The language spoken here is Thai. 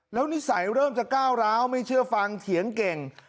แล้วนิสัยเริ่มจะก้าวร้าวไม่เชื่อฟังเถียงเก่ง